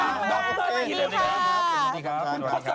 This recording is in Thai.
อาจารย์ช้างมาสวัสดีค่ะสวัสดีครับ